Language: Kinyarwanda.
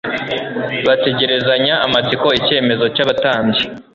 bategerezanya amatsiko icyemezo cy'abatambyi.